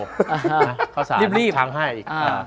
เขาสารทางให้อีก